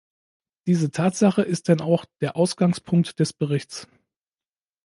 Diese Tatsache ist denn auch der Ausgangspunkt des Berichts.